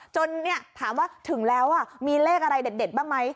จนเนี่ยถามว่าถึงแล้วว่ามีเลขอะไรเด็ดบ้างมั้ย